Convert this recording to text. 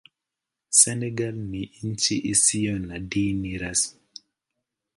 Senegal ni nchi isiyo na dini rasmi.